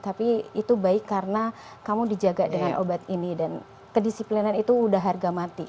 tapi itu baik karena kamu dijaga dengan obat ini dan kedisiplinan itu udah harga mati